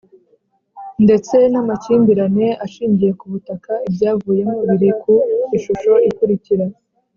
ndetse n amakimbirane ashingiye ku butaka Ibyavuyemo biri ku ishusho ikurikira